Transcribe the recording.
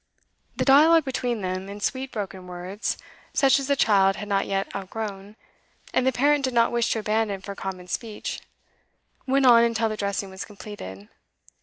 The dialogue between them, in sweet broken words such as the child had not yet outgrown, and the parent did not wish to abandon for common speech, went on until the dressing was completed.